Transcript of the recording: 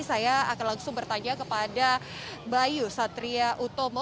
saya akan langsung bertanya kepada bayu satria utomo